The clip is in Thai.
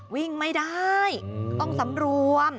วิ่งไม่ได้ต้องสำรวม